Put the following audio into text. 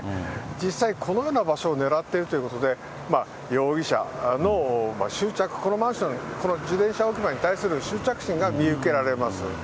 実際、このような場所を狙っているということで、容疑者の執着、この自転車置き場に対する執着心が見受けられます。